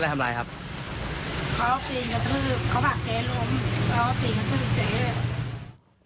เขาปีนกระทืบเจ๊